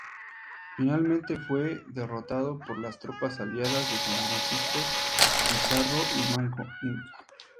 Finalmente, fue derrotado por las tropas aliadas de Francisco Pizarro y Manco Inca.